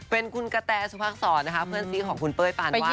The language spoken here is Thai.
เป็นคุณกะแทชุภาคสอร์นะครับเพื่อนซีของคุณเป้ยปานวาดนั่นเอง